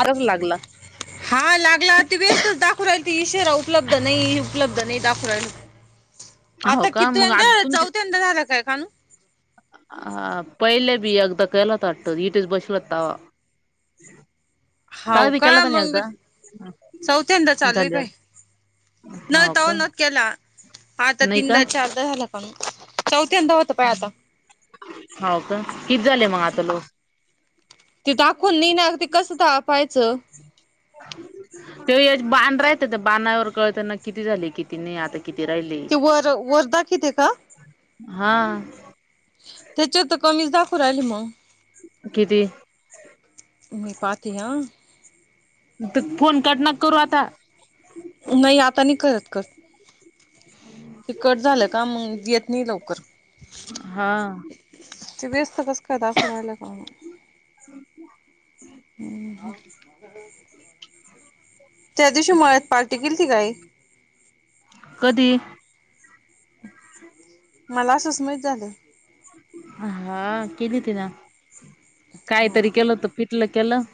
आरग लागला. हा. लागला त व्यस्तच दाखवू राहिला. ही शेवा उपलब्ध नाही. उपलब्ध नाही दाखवू राहील. [inaudible] हो आता का मग आ कितवांद्या तुम चौथ्यानदा झालं का कानू? आ पहिले बी एकदा केलता वाटत. हिथेच बसेल होता तवा. [inaudible] हाव का? केला होता ना मंग एकदा चौथ्यांदा चालू आहे काय? झाल्यावर नाही हो तवा का न केला आता नाही का तीनदा चार - झालं का कानू. चौथ्यानदा होतो पाह्य आता. हाव का? किती झाले मग आता लोक? ते दाखवल नाही ना. आता ते कसं पायचं? ते एक बाण राह्यत त्या बाणावर कळत ना किती झाले? किती नाही? आता- किती राहिले. ते वर वर दाखिते का? हा. त्याच्यात तर कमीच दाखवू राहिले मंग. किती? मी पाती हं. तु फोन कट नको करू आता. नाही आता नाही करत कट. हे कट झालं का मग येत नाही लवकर. हा ते व्यस्त कस काय दाखवू राहिला काय - हं. ह. त्या दिवशी मळ्यात पार्टी केली ती काही. कधी? मला असच माहीत झालं. हा. केली ति ना. हो कायतरी केलं त- पिटलं केलं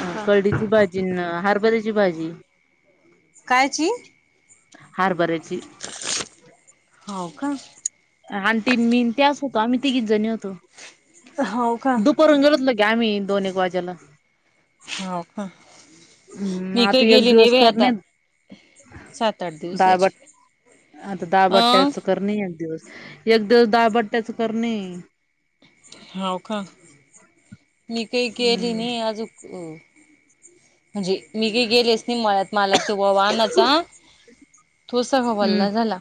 अ कळीची भाजी हरभऱ्याची भाजी. कायची. हरबऱ्याची. हो का. ऑंटी न मीन त्याच होतो आम्ही तीगीच जणी होतो. हो का. परून गेळतलो ग आम्ही दोन एक वाज्याला. हो का. हम्म मी काही आता एक गेली नाही दिवस बई करणे आता सात आठ दाळबट दिवसाची. आता दाळ अं बट्ट्याच करणे एक दिवस एक दिवस दाळ बट्ट्याच करणे. आहे हव का. मी काही केली हम्म नाही अजून. म्हणजे मी काही गेलेस नाही मळ्यात मालक तेव्हा वाहनाचा. तो स ह हम्म वल्ला झाला.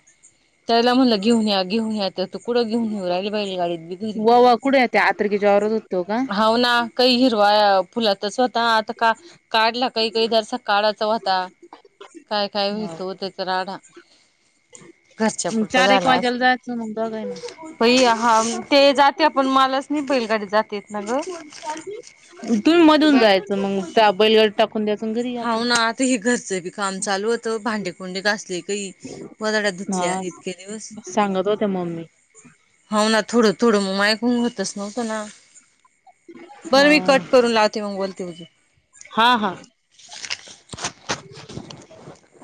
त्यायला म्हणल घेऊ घेऊ या तुकडं घेऊ येऊ राहिली बाहिल गाडी बघ- वोवा कुठे येते आता. की तिच्या वावरत असतो का. होना काही हिरवाआहे फुलात होता आता काय काढला काही काही जरसा काढाचा होता काय काय हो तो त्याचा राडा. घरच्या मग पुरता चार एक झाला वाज्याला असता. जायचं मग दोघानी. पई हा ते जाते पण मलाच नाही बैलगाडी जाता येत ना ग. तुम्ही मधून जायच. त मग त्या बैलगाडी टाकून द्याच न घरी याचं. तर ह घरचं बी काम चालू होतं भांडेकुंडे घासले. काही गोधड्या धुतल्या हा इतके दिवस. सांगत होत्या मम्मी हाव ना थोडं थोडं मग मायाकुन व्हतंच नव्हतना. बरं हा मी कट करून लावते मग बोलते ऊद्या हा हा ह [unintelligible]